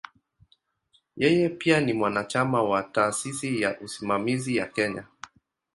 Yeye pia ni mwanachama wa "Taasisi ya Usimamizi ya Kenya".